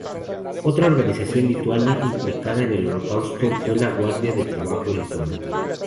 Otra organización lituana implicada en el Holocausto fue la Guardia de Trabajo lituana.